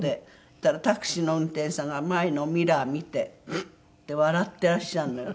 そしたらタクシーの運転手さんが前のミラー見てフッて笑ってらっしゃるのよ。